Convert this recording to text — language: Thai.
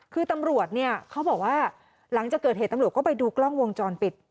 คือตำรวจเนี่ยเขาบอกว่าหลังจากเกิดเหตุตำรวจก็ไปดูกล้องวงจรปิด